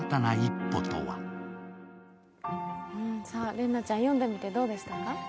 麗菜ちゃん、読んでみてどうでした？